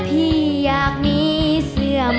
ก็เพราะรักเธอซึ่งยอม